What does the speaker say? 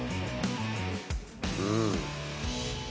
うん！